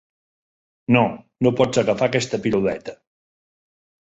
No, no pots agafar aquesta piruleta.